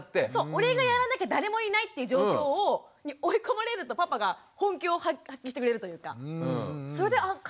俺がやらなきゃ誰もいないっていう状況に追い込まれるとパパが本気を発揮してくれるというかそれで変わってきたなって思いましたね。